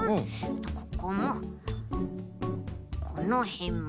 ここもこのへんも。